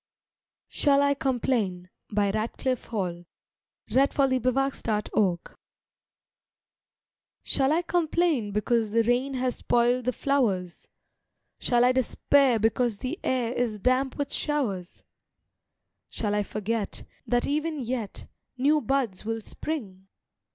SHALL I COMPLAIN? Shall I complain because the rain Has spoiled the flowers? Shall I despair because the air Is damp with showers? Shall I forget, that even yet New buds will spring?